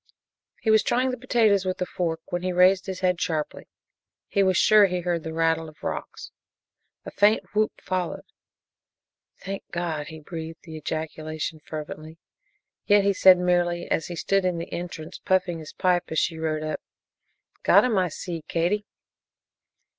He was trying the potatoes with a fork when he raised his head sharply. He was sure he heard the rattle of rocks. A faint whoop followed. "Thank God!" He breathed the ejaculation fervently, yet he said merely as he stood in the entrance puffing his pipe as she rode up, "Got 'em, I see, Katie!"